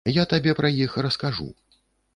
Я табе пра іх раскажу.